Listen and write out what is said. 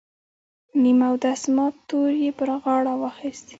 نیم اودس مات تور یې پر غاړه واخیست.